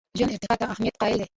ژوند ارتقا ته اهمیت قایل دی.